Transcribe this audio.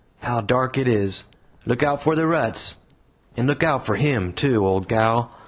How dark it is! Look out for the ruts and look out for him, too, old gal.